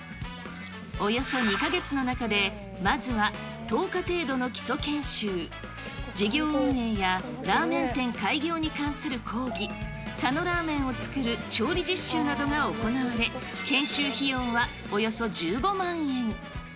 およそ２か月の中でまずは１０日程度の基礎研修、事業運営やラーメン店開業に関する講義、佐野らーめんを作る調理実習などが行われ、研修費用はおよそ１５万円。